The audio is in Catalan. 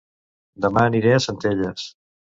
Dema aniré a Centelles